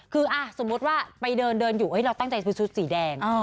คือสมมุติว่าไปเดินอยู่เราตั้งใจซื้อชุดสีแดง